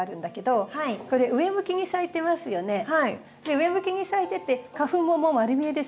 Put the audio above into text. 上向きに咲いてて花粉も丸見えですよね。